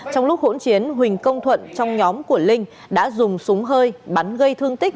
trong lúc hỗn chiến huỳnh công thuận trong nhóm của linh đã dùng súng hơi bắn gây thương tích